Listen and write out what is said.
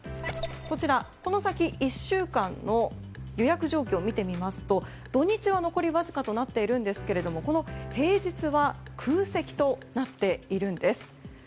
こちら、この先１週間の予約状況を見てみますと土日は残りわずかとなっているんですけれどもこの平日は空席となっているんです。